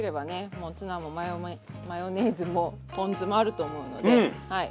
もうツナもマヨメマヨネーズもポン酢もあると思うのではい